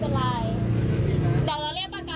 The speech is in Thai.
ม่วยังไงค่ะเราขับของเรามาปกติแล้วเราไม่ได้ขับแรงด้วย